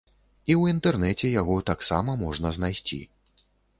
І ў інтэрнэце яго таксама можна знайсці.